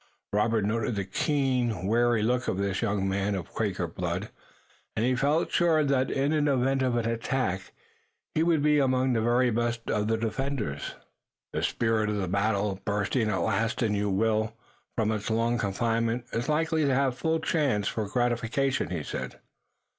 Robert noted the keen, wary look of this young man of Quaker blood, and he felt sure that in the event of an attack he would be among the very best of the defenders. "The spirit of battle, bursting at last in you, Will, from its long confinement, is likely to have full chance for gratification," he said.